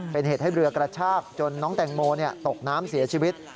เป็นเหตุให้เรือกระชากจนน้องแตงโมตกน้ำเสียชีวิต